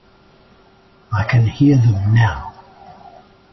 I can hear them now.